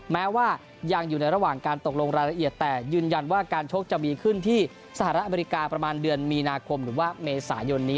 แม้ว่ายังอยู่ในระหว่างการตกลงรายละเอียดแต่ยืนยันว่าการชกจะมีขึ้นที่สหรัฐอเมริกาประมาณเดือนมีนาคมหรือว่าเมษายนนี้